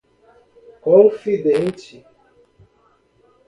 confitente